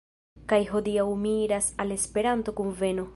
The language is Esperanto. Kaj hodiaŭ mi iras al Esperanto-kuveno.